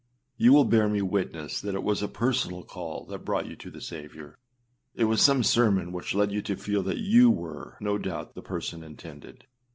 You will bear me witness that it was a personal call that brought you to the Saviour. It was some sermon which led you to feel that you were, no doubt, the person intended.